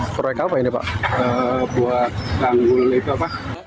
sementara dikonfirmasi di lokasi perwakilan pelaksanaan